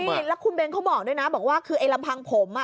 ใช่แล้วคุณเบนเขาบอกด้วยนะบอกว่าคือไอ้ลำพังผม